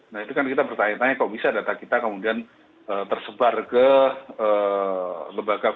nah itu kan kita bertanya tanya kok bisa data kita kemudian tersebar ke lembaga lembaga